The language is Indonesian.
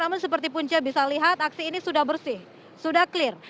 namun seperti punca bisa lihat aksi ini sudah bersih sudah clear